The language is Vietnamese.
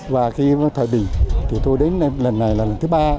và khi thái bình tôi đến lần này là lần thứ ba